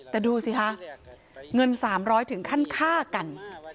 แต่ดูสิคะเงิน๓๐๐ถึงขั้นฆ่ากัน